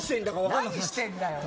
何してんだよ。